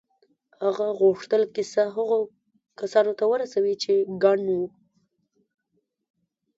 هغه غوښتل کیسه هغو کسانو ته ورسوي چې کڼ وو